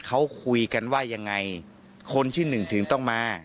เขาคุยกันว่ายังไงคนที่หนึ่งถึงต้องมา